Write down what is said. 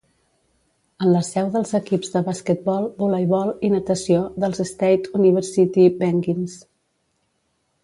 Es la seu dels equips de basquetbol, voleibol i natació dels State University Penguins.